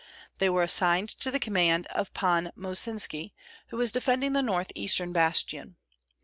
They were assigned to the command of Pan Mosinski, who was defending the northeastern bastion.